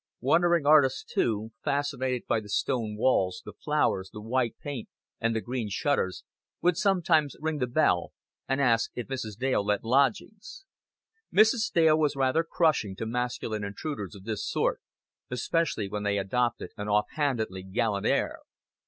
Wandering artists, too, fascinated by the stone walls, the flowers, the white paint, and the green shutters, would sometimes ring the bell and ask if Mrs. Dale let lodgings. Mrs. Dale was rather crushing to masculine intruders of this sort, especially when they adopted an off handedly gallant air.